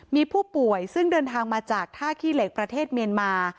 มีผู้ป่วยซึ่งเดินทางมาจากท่าขี้เหล็กประเทศเมียนมา